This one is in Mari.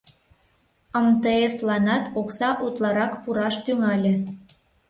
МТС-ланат окса утларак пураш тӱҥале.